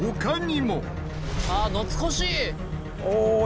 あ懐かしい！